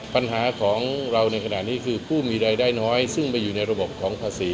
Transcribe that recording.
ปัญหาของเราในขณะนี้คือผู้มีรายได้น้อยซึ่งไปอยู่ในระบบของภาษี